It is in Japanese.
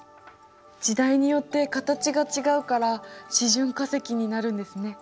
時代によって形が違うから示準化石になるんですね。